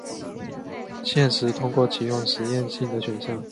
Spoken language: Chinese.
现时通过启用实验性的选项。